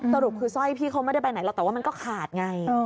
สรุปคือสร้อยพี่เขาไม่ได้ไปไหนหรอกแต่ว่ามันก็ขาดไง